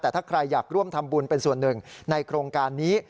แต่ถ้าใครอยากร่วมทำบุญเป็นส่วนหนึ่งในโครงการนี้